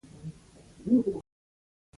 سوالګر د انسانانو له زړه تېرېږي